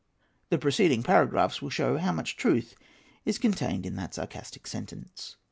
[A] The preceding paragraphs will show how much truth is contained in that sarcastic sentence.